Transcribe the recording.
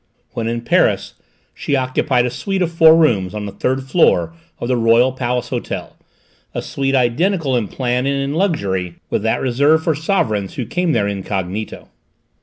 When in Paris she occupied a suite of four rooms on the third floor of the Royal Palace Hotel, a suite identical in plan and in luxury with that reserved for sovereigns who came there incognito.